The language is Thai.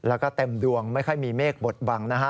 แล้วก็เต็มดวงไม่ค่อยมีเมฆบทบังนะฮะ